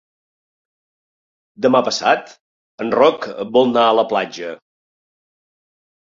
Demà passat en Roc vol anar a la platja.